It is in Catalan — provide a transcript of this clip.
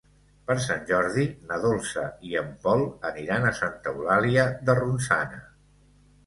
Per Sant Jordi na Dolça i en Pol aniran a Santa Eulàlia de Ronçana.